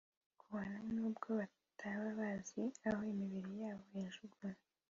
kabone n’ubwo bataba bazi aho imibiri yabo yajugunywe